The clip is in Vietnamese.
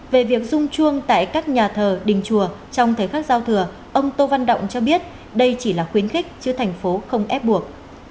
về việc rung chuông tại các nhà thờ đình chùa trong thời khắc giao thừa ông tô văn động cho biết đây chỉ là khuyến khích chứ thành phố không ép buộc